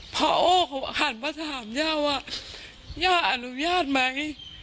พอโอ้เขาหันมาถามย่าว่าย่าอนุญาตไหม